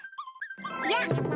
やっ！